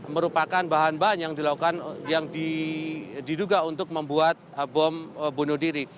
merupakan bahan bahan yang diduga untuk membuat bom bunuh diri